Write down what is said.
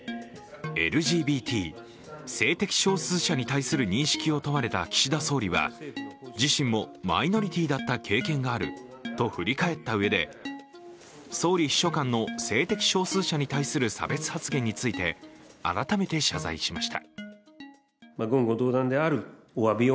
ＬＧＢＴ＝性的少数者に対する認識を問われた岸田総理は自身もマイノリティーだった経験があると振り返ったうえで、総理秘書官の性的少数者に対する差別発言について改めて謝罪しました。